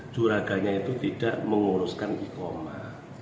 juraganya itu tidak menguruskan ikoma